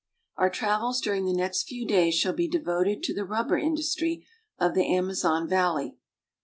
OUR travels during the next few days shall be devoted to the rubber industry of the Amazon valley.